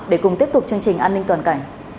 để cùng tiếp tục chương trình an ninh toàn cảnh